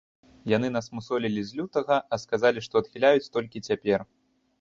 Яны нас мусолілі з лютага, а сказалі, што адхіляюць толькі цяпер.